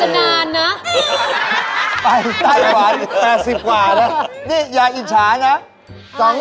นี่อย่าอิจฉานะ